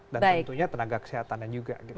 dan tentunya tenaga kesehatan juga